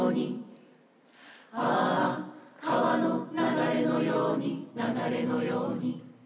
「ああ川の流れのように流れのように」